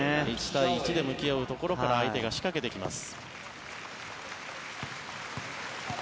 １対１で向き合うところから相手が仕掛けてきます。